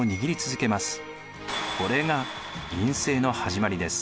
これが院政の始まりです。